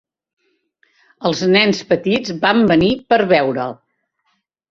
Els nens petits van venir per veure'l.